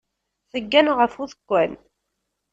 Teggan ɣef udekkan.